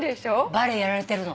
バレエやられてるの？